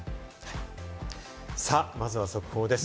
まずは速報です。